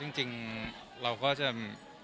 แล้วจริงเราก็จะ